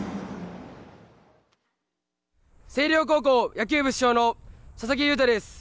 星稜高校野球部主将の佐々木優太です。